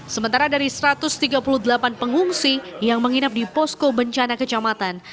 sementara dari satu ratus tiga puluh delapan pengungsi yang menginap di posko bencana kecamatan